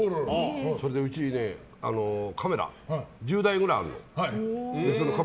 そしたらうちカメラ１０台ぐらいあるのよ。